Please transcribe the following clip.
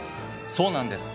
そうなんです！